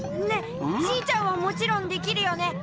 ねっじいちゃんはもちろんできるよね！